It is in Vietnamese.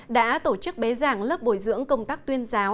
đã tổ chức bế giảng lớp bồi dưỡng công tác tuyên giáo